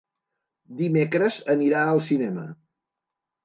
Dimecres anirà al cinema.